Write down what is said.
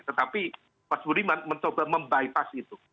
tetapi mas budiman mencoba membypass itu